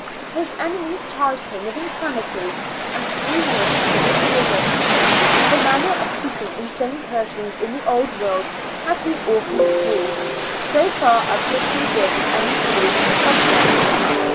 His enemies charged him with insanity, and threw him into this prison. The manner of treating insane persons in the Old World has been awfully cruel, so far as history gives any clue to the subject.